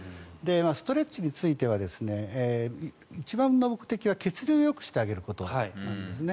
ストレッチについては一番の目的は血流をよくしてあげることなんですね。